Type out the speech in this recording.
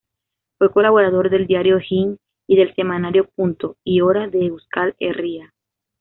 Fue colaborador del diario Egin y del semanario Punto y Hora de Euskal Herria.